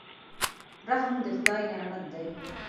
رحم د خدای نعمت دی.